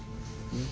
うん？